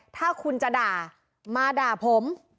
ถ้าคุณจะด่ามาด่าผม